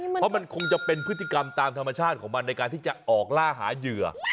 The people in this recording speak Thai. เพราะมันคงจะเป็นพฤติกรรมตามธรรมชาติของมันในการที่จะออกล่าหาเหยื่อ